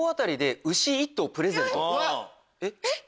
えっ？